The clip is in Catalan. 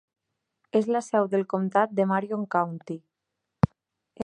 És la seu del comtat de Marion County.